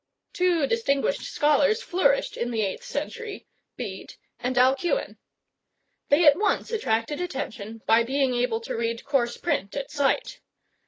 Two distinguished scholars flourished in the eighth century, Bede and Alcuin. They at once attracted attention by being able to read coarse print at sight.